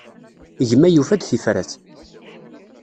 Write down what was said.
Gma yufa-d tifrat.